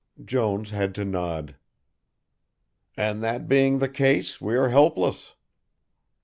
Jones had to nod. "And that being the case we are helpless."